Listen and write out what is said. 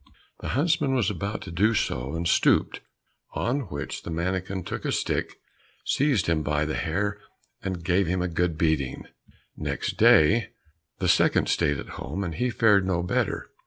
The huntsman was about to do so and stooped, on which the mannikin took a stick, seized him by the hair, and gave him a good beating. Next day, the second stayed at home, and he fared no better.